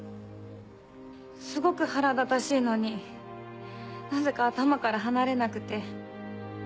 すごく腹立たしいのになぜか頭から離れなくて。